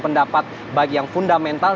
pendapat bagi yang fundamental